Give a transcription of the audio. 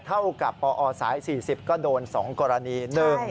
เท่ากับปอสาย๔๐ก็โดน๒กรณี